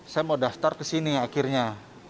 saya mau daftar kesini akhirnya